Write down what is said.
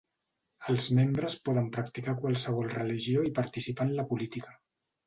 Els membres poden practicar qualsevol religió i participar en la política.